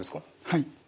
はい。